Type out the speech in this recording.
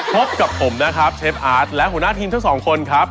พบกับผมนะครับเชฟอาร์ตและหัวหน้าทีมทั้งสองคนครับ